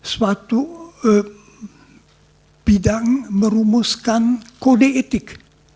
suatu bidang merumuskan kode etik